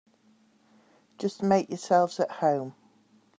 Just make yourselves at home.